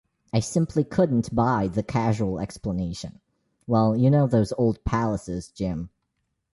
I simply couldn't buy the casual explanation: Well, you know those old palaces, Jim.